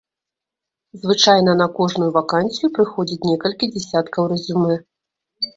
Звычайна на кожную вакансію прыходзіць некалькі дзясяткаў рэзюмэ.